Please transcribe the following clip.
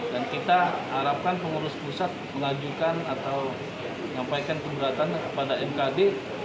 dan kita harapkan pengurus pusat mengajukan atau mengampaikan pemberatan kepada mkd